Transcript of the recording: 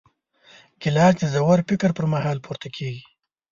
ګیلاس د ژور فکر پر مهال پورته کېږي.